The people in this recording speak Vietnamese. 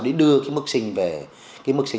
để đưa tỷ xuất sinh vào thành phố hồ chí minh